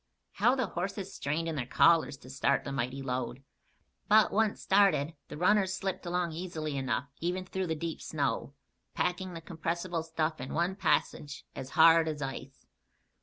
How the horses strained in their collars to start the mighty load! But once started, the runners slipped along easily enough, even through the deep snow, packing the compressible stuff in one passage as hard as ice.